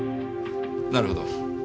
なるほど。